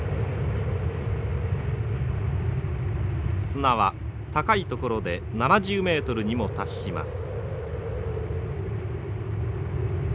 砂は高いところで７０メートルにも達します。